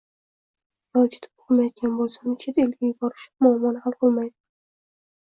yolchitib o‘qimayotgan bo‘lsa uni chet elga yuborish muammoni hal qilmaydi.